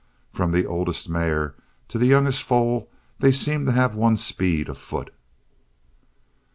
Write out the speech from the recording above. From the oldest mare to the youngest foal they seemed to have one speed afoot.